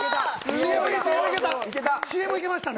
ＣＭいけましたね。